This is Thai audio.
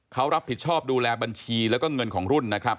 เขารับผิดชอบดูแลบัญชีแล้วก็เงินของรุ่นนะครับ